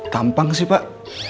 tampang sih pak